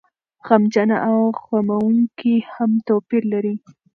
غمجنه او غموونکې هم توپير لري.